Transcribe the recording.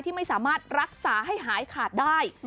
ไม่สามารถรักษาให้หายขาดได้